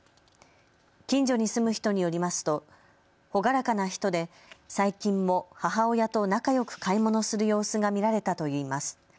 近所に住む人によりますと朗らかな人で最近も母親と仲よく買い物する様子が見られたといいます。